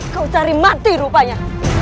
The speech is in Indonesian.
kau cari mati rupanya